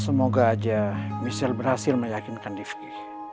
semoga aja michelle berhasil meyakinkan divki